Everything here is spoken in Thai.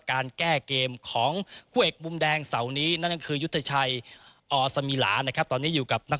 การแก้เกมของคู่เอกมุมแดงเสานี้นั่นก็คือยุทธชัยอสมิลานะครับตอนนี้อยู่กับนัก